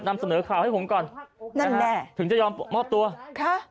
นำเสนอข่าวให้ผมก่อนแน่ถึงจะยอมมอบตัวค่ะ